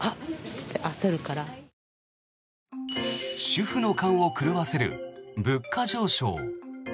主婦の勘を狂わせる物価上昇。